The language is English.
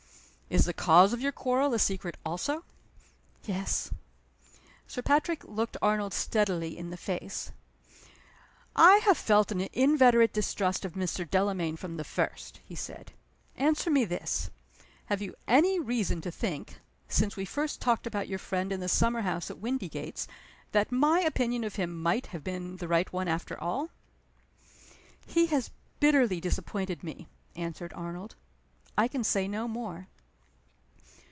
"Is the cause of your quarrel a secret also?" "Yes." Sir Patrick looked Arnold steadily in the face. "I have felt an inveterate distrust of Mr. Delamayn from the first," he said. "Answer me this. Have you any reason to think since we first talked about your friend in the summer house at Windygates that my opinion of him might have been the right one after all?" "He has bitterly disappointed me," answered Arnold. "I can say no more."